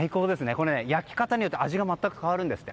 これ、焼き方によって味が全く変わるんですって。